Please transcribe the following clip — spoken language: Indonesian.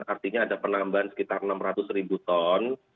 artinya ada penambahan sekitar enam ratus ribu ton